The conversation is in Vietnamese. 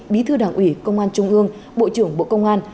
bí thư đảng ủy công an trung ương bộ trưởng bộ công an